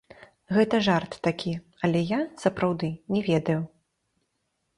Гэта жарт такі, але я, сапраўды, не ведаю.